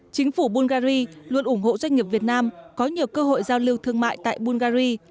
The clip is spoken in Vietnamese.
chính phủ bungary luôn ủng hộ doanh nghiệp việt nam có nhiều cơ hội giao lưu thương mại tại bungary